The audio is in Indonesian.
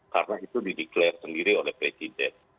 karena itu dideklarasi sendiri oleh presiden